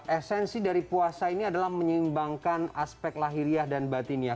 esensi dari puasa ini adalah menyeimbangkan aspek lahiriah dan batin ya